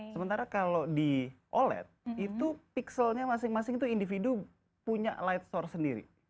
sementara kalau di oled itu pixelnya masing masing itu individu punya light store sendiri